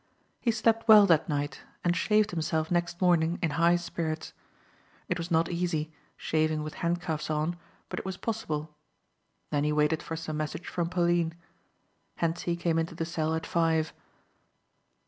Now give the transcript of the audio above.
He slept well that night and shaved himself next morning in high spirits. It was not easy, shaving with handcuffs on, but it was possible. Then he waited for some message from Pauline. Hentzi came into the cell at five.